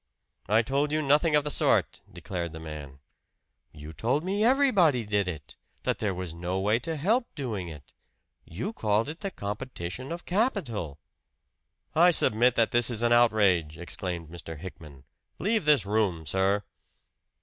"I told you nothing of the sort!" declared the man. "You told me everybody did it that there was no way to help doing it. You called it the competition of capital!" "I submit that this is an outrage!" exclaimed Mr. Hickman. "Leave this room, sir!"